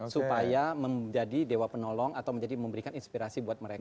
supaya menjadi dewa penolong atau menjadi memberikan inspirasi buat mereka